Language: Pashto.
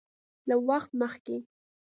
له وخت مخکې